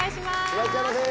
いらっしゃいませ。